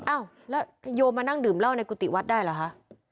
อ้าวแล้วโยมมานั่งดื่มเหล้าในกุฏิวัดได้เหรอคะ